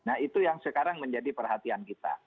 nah itu yang sekarang menjadi perhatian kita